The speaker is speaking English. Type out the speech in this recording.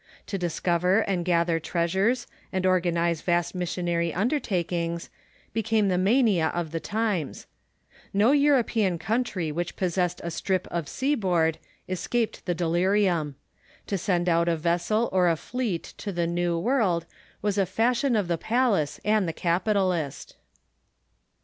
To discover and gather treasures and organize vast missionary undertakings became the mania of the times. 1^0 European country which possessed a strip of seaboard es caped the delirium. To send out a vessel or a fleet to the New World was the fashion of the palace and the capitalist.